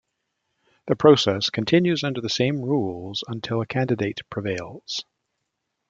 The process continues under the same rules until a candidate prevails.